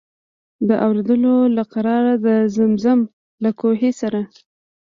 د اورېدلو له قراره د زمزم له کوهي سره.